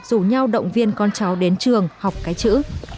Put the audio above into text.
rủ nhau động viên con cháu đến trường học cái chữ